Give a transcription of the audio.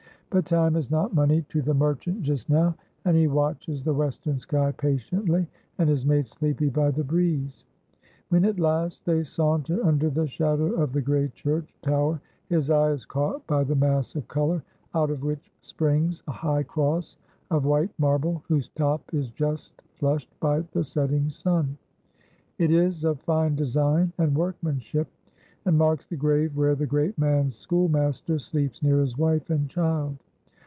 But time is not money to the merchant just now, and he watches the western sky patiently, and is made sleepy by the breeze. When at last they saunter under the shadow of the gray church tower, his eye is caught by the mass of color, out of which springs a high cross of white marble, whose top is just flushed by the setting sun. It is of fine design and workmanship, and marks the grave where the great man's schoolmaster sleeps near his wife and child.